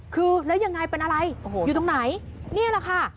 คือแล้วยังไงเป็นอะไรอยู่ตรงไหนนี่แหละค่ะ